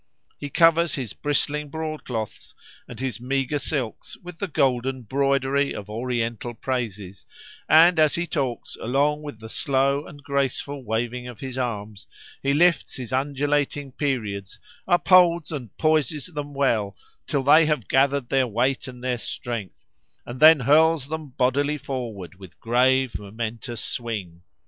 He covers his bristling broadcloths and his meagre silks with the golden broidery of Oriental praises, and as he talks, along with the slow and graceful waving of his arms, he lifts his undulating periods, upholds and poises them well, till they have gathered their weight and their strength, and then hurls them bodily forward with grave, momentous swing.